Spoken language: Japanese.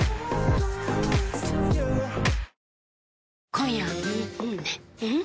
今夜はん